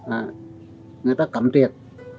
à người ta cầm triệt